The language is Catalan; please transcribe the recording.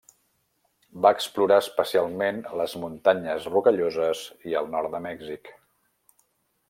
Va explorar especialment les Muntanyes Rocalloses i el nord de Mèxic.